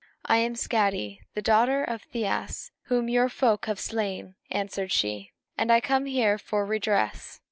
"I am Skadi, the daughter of Thiasse, whom your folk have slain," answered she, "and I come here for redress."